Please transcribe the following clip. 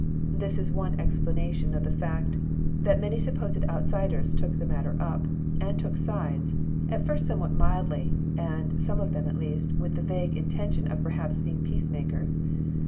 This is one explanation of the fact that many supposed out CROSS LOTS. 203 siders took the matter up, and took sides, at first somewhat mildly, and, some of them at least, with the vague intention of perhaps being peacemakers.